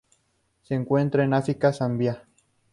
Se encuentran en África: Zambia.